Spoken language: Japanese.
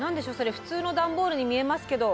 普通の段ボールに見えますけど。